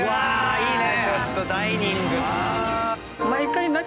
いいね。